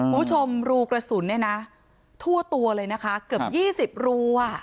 ผู้ชมรูกระสุนทั่วตัวเลยนะคะเกือบ๒๐รู